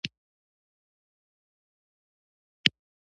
د فرانسې ټول هستوګن انسان يې په الفاظو کې راوستي.